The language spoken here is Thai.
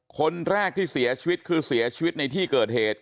คนแรกที่เสียชีวิตคือเสียชีวิตในที่เกิดเหตุ